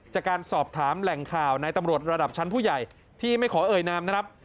จากการสอบถามแหล่งข่าวในตำรวจระดับชั้นผู้ใหญ่ที่ไม่ขอเอ่ยนามนะครับ